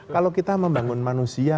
kalau kita membangun manusia